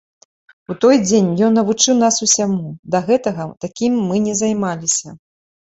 У той дзень ён навучыў нас ўсяму, да гэтага такім мы не займаліся.